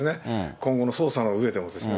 今後の捜査のうえでもですね。